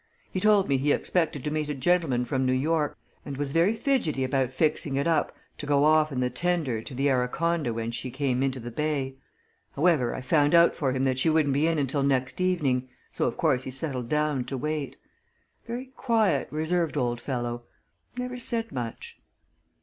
He told me he expected to meet a gentleman from New York, and was very fidgety about fixing it up to go off in the tender to the Araconda when she came into the Bay. However, I found out for him that she wouldn't be in until next evening, so of course he settled down to wait. Very quiet, reserved old fellow never said much."